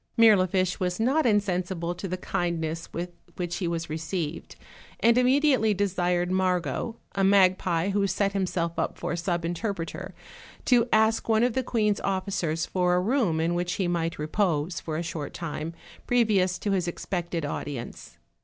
Mirlifiche was not insensible to the kind ness with which he was received, and immediately desired Margot, a magpie who set himself up for sub interpreter, to ask one of the queen's officers for a room in which he might repose for a short time, previous to his expected audience.